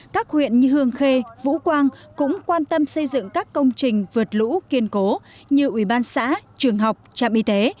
các huyện như hương khê vũ quang cũng quan tâm xây dựng các công trình vượt lũ kiên cố như ủy ban xã trường học trạm y tế